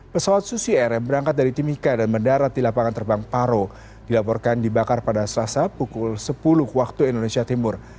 pesawat susi air yang berangkat dari timika dan mendarat di lapangan terbang paro dilaporkan dibakar pada selasa pukul sepuluh waktu indonesia timur